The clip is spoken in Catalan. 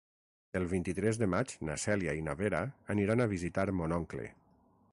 El vint-i-tres de maig na Cèlia i na Vera aniran a visitar mon oncle.